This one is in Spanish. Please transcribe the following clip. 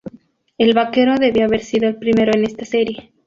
El vaquero debía haber sido el primero en esta serie.